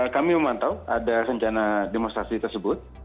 kami memantau ada rencana demonstrasi tersebut